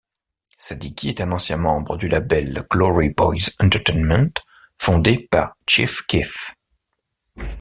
Sadiki est un ancien membre du label Glory Boyz Entertainment, fondé par Chief Keef.